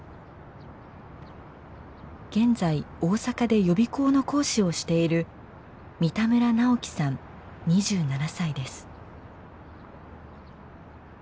現在大阪で予備校の講師をしている三田村尚輝さん２７歳です。